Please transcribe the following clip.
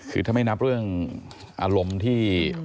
คือถ้าไม่นับเรื่องอารมณ์ที่